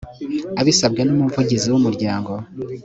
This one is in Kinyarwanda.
abisabwe n’umuvugizi w’umuryango